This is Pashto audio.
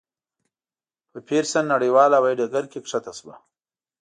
په پېرسن نړیوال هوایي ډګر کې کښته شوه.